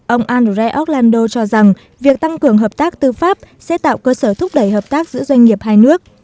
ông andre oklanddo cho rằng việc tăng cường hợp tác tư pháp sẽ tạo cơ sở thúc đẩy hợp tác giữa doanh nghiệp hai nước